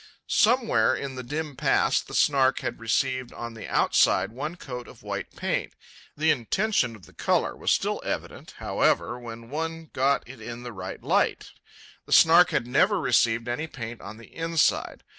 Somewhere in the dim past the Snark had received on the outside one coat of white paint. The intention of the colour was still evident, however, when one got it in the right light. The Snark had never received any paint on the inside.